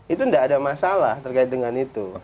itu tidak ada masalah terkait dengan itu